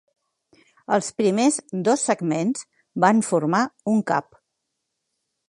Els primers dos segments van formar un "cap".